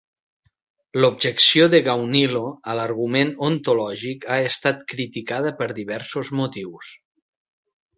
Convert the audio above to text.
L'objecció de Gaunilo a l'argument ontològic ha estat criticada per diversos motius.